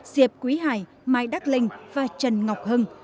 diệp quý hải mai đắc linh và trần ngọc hưng